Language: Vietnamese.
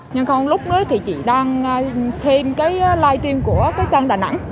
nhưng không lúc đó thì chị đang xem cái live stream của cái trang đà nẵng